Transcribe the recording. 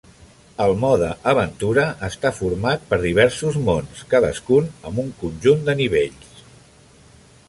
El mode Aventura està format per diversos mons, cadascun amb un conjunt de nivells.